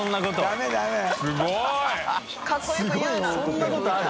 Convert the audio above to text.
そんなことある？